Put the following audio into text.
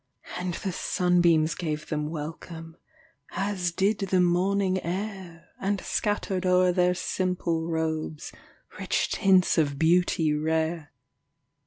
And the sunbeams gave them welcome. As did the morning air And scattered o'er their simple robes Rich tints of beauty rare.